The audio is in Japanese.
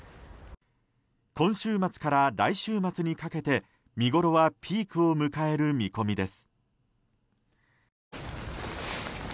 今週末から来週末にかけて見ごろはピークを迎える見込みです。